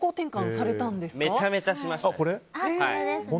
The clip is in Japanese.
めちゃめちゃしてます。